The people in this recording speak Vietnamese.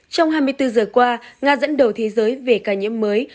trong hai mươi bốn giờ qua nga dẫn đầu thế giới về ca nhiễm mới